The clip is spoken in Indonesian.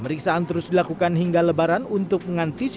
pemeriksaan terus dilakukan hingga lebaran untuk mengantisipasi